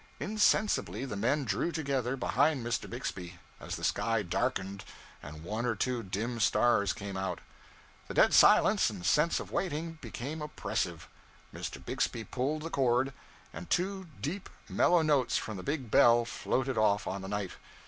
Insensibly the men drew together behind Mr. Bixby, as the sky darkened and one or two dim stars came out. The dead silence and sense of waiting became oppressive. Mr. Bixby pulled the cord, and two deep, mellow notes from the big bell floated off on the night.